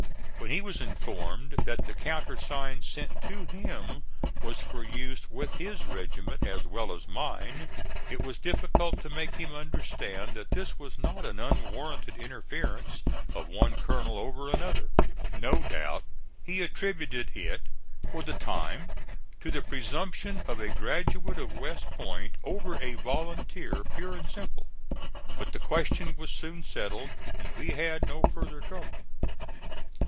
When he was informed that the countersign sent to him was for use with his regiment as well as mine, it was difficult to make him understand that this was not an unwarranted interference of one colonel over another. No doubt he attributed it for the time to the presumption of a graduate of West Point over a volunteer pure and simple. But the question was soon settled and we had no further trouble.